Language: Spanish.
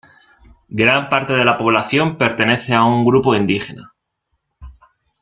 Gran parte de la población pertenece a un grupo indígena.